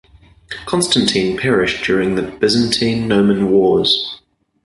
Constantine perished during the Byzantine–Norman wars.